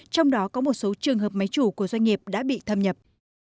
trong đó có một số trường hợp máy chủ của doanh nghiệp đã bị thâm nhập